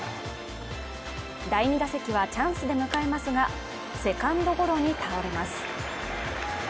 第２打席はチャンスで迎えますが、セカンドゴロに倒れます。